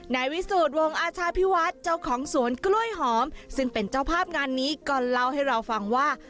นายวิสูจน์วงอาชาพิวัฒน์เจ้าของสวนกล้วยหอมซึ่งเป็นเจ้าภาพงานนี้ก็เล่าให้เราฟังว่า